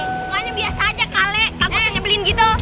eh pokoknya biasa aja kak lek kamu bisa nyebelin gitu